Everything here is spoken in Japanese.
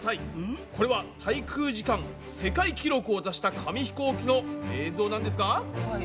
これは滞空時間世界記録を出した紙ひこうきの映像なんですが。